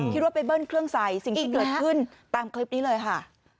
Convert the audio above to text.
ว่าไปเบิ้ลเครื่องใส่สิ่งที่เกิดขึ้นตามคลิปนี้เลยค่ะ